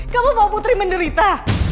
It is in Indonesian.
kamu mau putri menderita